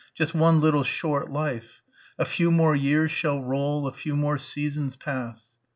Just one little short life.... "A few more years shall roll ... A few more seasons pass...."